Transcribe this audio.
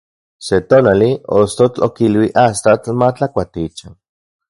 Se tonali, ostotl okilui astatl matlakuati ichan.